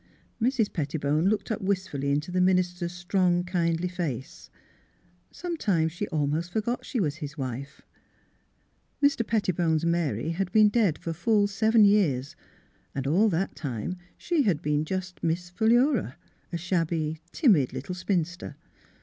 Mrs. Pettibone looked up mstfully into the min ister 's strong, kindly face. ... Sometimes she almost forgot she was his wife. Mr. Pettibone 's *' Mary " had been dead for full seven years and all that time she had been just " Miss Philura," — a shabby, timid little spinster.